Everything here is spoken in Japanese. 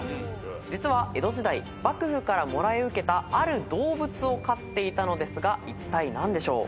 実は江戸時代幕府からもらい受けたある動物を飼っていたのですがいったい何でしょう？